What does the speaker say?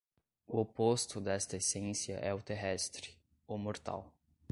O oposto desta essência é o terrestre, o mortal.